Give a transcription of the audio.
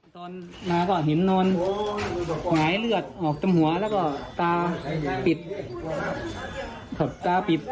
ตอนมาก็เห็นนอนหงายเลือดออกจมหัวแล้วก็ตาปิดตาปิด